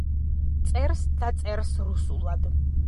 წერს და წერს რუსულად.